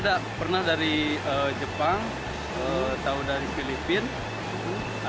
ada pernah dari jepang tahu dari filipina